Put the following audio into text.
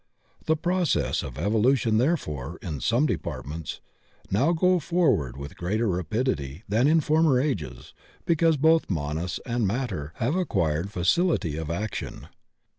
The processes of evolution, therefore, in some departments, now go forward with greater rapidity than in former ages because both Manas and matter have acquired facility of action.